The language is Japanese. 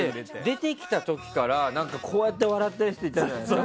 出てきた時から手をたたいて笑ってる人いたじゃないですか。